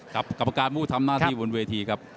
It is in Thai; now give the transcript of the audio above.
กรรมการผู้ทำหน้าที่บนเวทีครับ